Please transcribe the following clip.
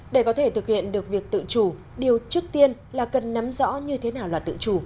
để có thể thực hiện được việc tự chủ điều trước tiên là cần nắm rõ như thế nào là tự chủ